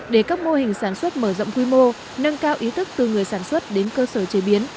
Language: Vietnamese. để các mô hình sản xuất mở rộng quy mô nâng cao ý thức từ người sản xuất đến cơ sở chế biến